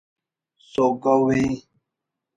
سوگوءِ